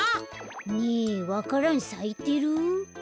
ねえわか蘭さいてる？